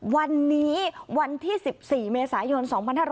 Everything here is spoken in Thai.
วันนี้วันที่๑๔เมษายน๒๕๖๐